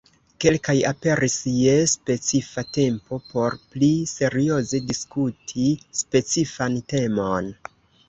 Kelkaj aperis je specifa tempo por pli serioze diskuti specifan temon.